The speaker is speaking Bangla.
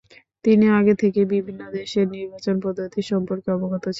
তিনি আগে থেকেই বিভিন্ন দেশের নির্বাচন পদ্ধতি সম্পর্কে অবগত ছিলেন।